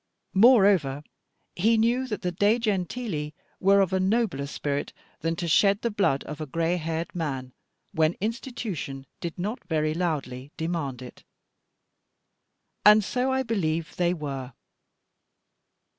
Moreover, he knew that the De' Gentili were of a nobler spirit than to shed the blood of a gray haired man, when institution did not very loudly demand it. And so I believe they were.